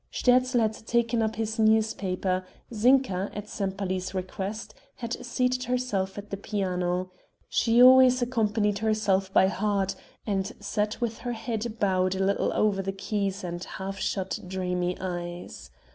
Sterzl had taken up his newspaper; Zinka, at Sempaly's request, had seated herself at the piano. She always accompanied herself by heart and sat with her head bowed a little over the keys and half shut dreamy eyes.